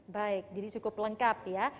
baik jadi cukup lengkap ya